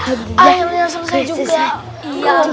akhirnya selesai juga